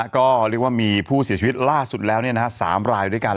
ก็เรียกว่ามีผู้เสียชีวิตล่าสุดแล้ว๓รายด้วยกัน